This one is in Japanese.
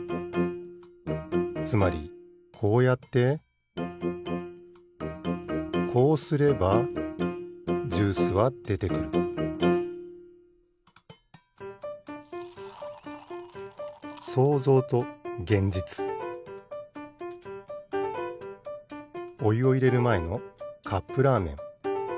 つまりこうやってこうすればジュースはでてくるおゆをいれるまえのカップラーメン。